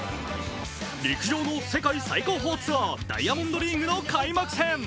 陸上の世界最高峰ツアーダイヤモンドリーグ。